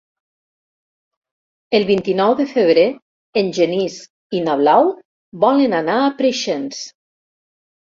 El vint-i-nou de febrer en Genís i na Blau volen anar a Preixens.